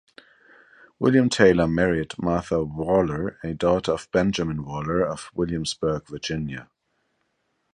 William Taylor married Martha Waller, a daughter of Benjamin Waller of Williamsburg, Virginia.